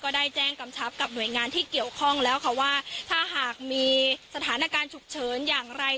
ได้แจ้งกำชับกับหน่วยงานที่เกี่ยวข้องแล้วค่ะว่าถ้าหากมีสถานการณ์ฉุกเฉินอย่างไร